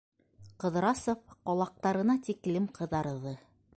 - Ҡыҙрасов ҡолаҡтарына тиклем ҡыҙарҙы.